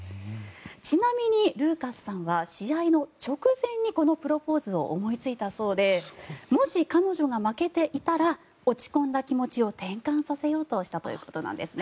ちなみに、ルーカスさんは試合の直前にこのプロポーズを思いついたそうでもし彼女が負けていたら落ち込んだ気持ちを転換させようとしたということなんですね。